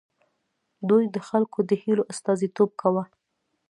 دوی د خلکو د هیلو استازیتوب کاوه.